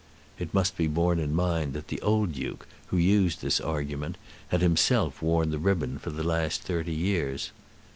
It must be borne in mind that the old Duke, who used this argument, had himself worn the ribbon for the last thirty years.